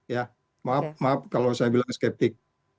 ya maaf maaf kalau saya bilang skeptik